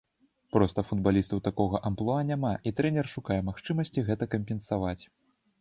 Проста футбалістаў такога амплуа няма, і трэнер шукае магчымасці гэта кампенсаваць.